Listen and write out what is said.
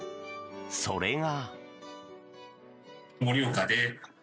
それが。